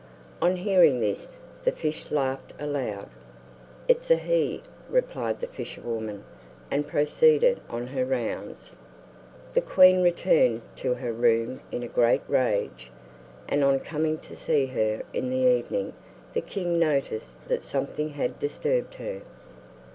On hearing this the fish laughed aloud. "It's a he," replied the fisherwoman, and proceeded on her rounds. The queen returned to her room in a great rage; and on coming to see her in the evening, the king noticed that something had disturbed her.